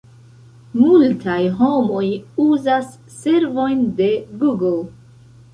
Multaj homoj uzas servojn de Google.